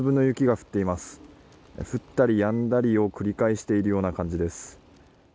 降ったりやんだりを繰り返しているような感じです。